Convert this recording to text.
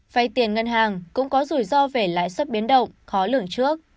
vay tiền ngân hàng cũng có rủi ro về lãi suất biến động khó lường trước